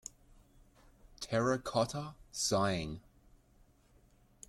Terracotta Sighing.